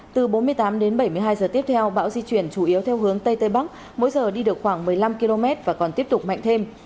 từ bốn mươi tám đến bảy mươi hai giờ tiếp theo bão di chuyển chủ yếu theo hướng tây tây bắc mỗi giờ đi được khoảng một mươi năm km và còn tiếp tục mạnh thêm